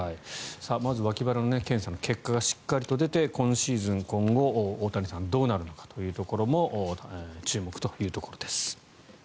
まず脇腹の検査の結果が出て今シーズン、今後大谷さんどうなるのかというところも注目というところです。